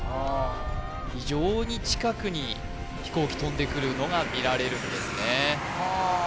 非常に近くに飛行機飛んでくるのが見られるんですね